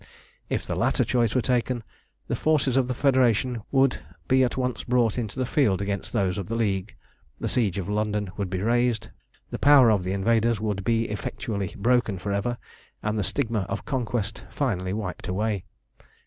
If the latter choice were taken, the forces of the Federation would be at once brought into the field against those of the League, the siege of London would be raised, the power of the invaders would be effectually broken for ever, and the stigma of conquest finally wiped away.